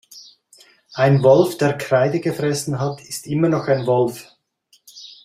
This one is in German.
Ein Wolf, der Kreide gefressen hat, ist immer noch ein Wolf.